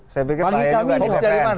saya pikir saya juga di bpn